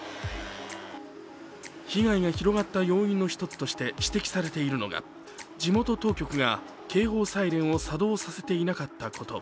被害が広がった要因の一つとして指摘されているのは地元当局が警報サイレンを作動させていなかったこと。